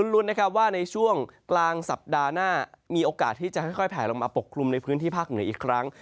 ลุ้นนะครับว่าในช่วงกลางสัปดาห์หน้ามีโอกาสที่จะค่อยแผลลงมาปกคลุมในพื้นที่ภาคเหนืออีกครั้ง